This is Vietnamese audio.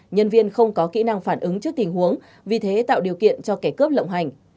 nhân viên không có kỹ năng phản ứng trước tình huống vì thế tạo điều kiện cho kẻ cướp lộng hành